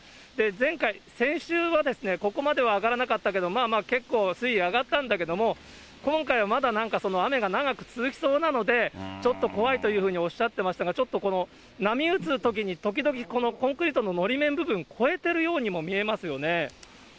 前回、先週は、ここまでは上がらなかったけども、まあまあ結構水位上がったんだけれども、今回はまだなんか雨が長く続きそうなので、ちょっと怖いというふうにおっしゃってましたが、ちょっとこの波打つときに、時々、このコンクリートののり面部分、越えてるようにも見えますよね。